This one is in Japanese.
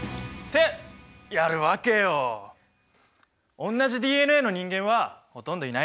おんなじＤＮＡの人間はほとんどいないからね。